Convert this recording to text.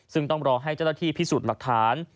ซึ่งต้องรอให้เจ้าหน้าที่พิสูจน์หลักฐาน